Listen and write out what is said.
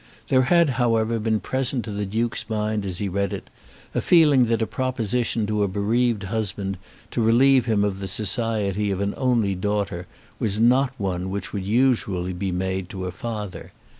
There had, however, been present to the Duke's mind as he read it a feeling that a proposition to a bereaved husband to relieve him of the society of an only daughter, was not one which would usually be made to a father.